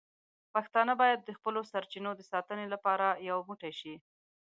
پښتانه باید د خپلو سرچینو د ساتنې لپاره یو موټی شي.